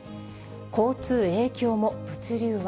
交通影響も、物流は。